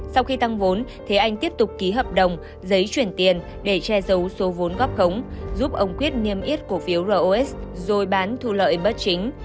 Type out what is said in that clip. sau khi tăng vốn thế anh tiếp tục ký hợp đồng giấy chuyển tiền để che giấu số vốn góp khống giúp ông quyết niêm yết cổ phiếu ros rồi bán thu lợi bất chính